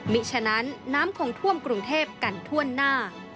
มิฉะนั้นน้ำของท่วมกรุงเทพฯกันถ้วนหน้า